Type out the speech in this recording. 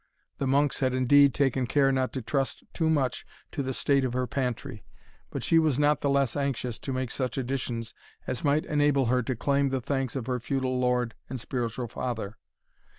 The monks had indeed taken care not to trust too much to the state of her pantry; but she was not the less anxious to make such additions as might enable her to claim the thanks of her feudal lord and spiritual father.